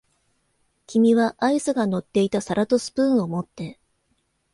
君はアイスが乗っていた皿とスプーンを持って、